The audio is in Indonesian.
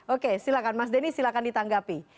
oke silakan mas denny silakan ditanggapi